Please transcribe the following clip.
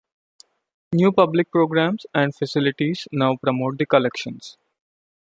New public programmes and facilities now promote the collections.